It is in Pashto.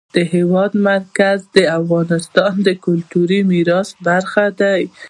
د هېواد مرکز د افغانستان د کلتوري میراث برخه ده.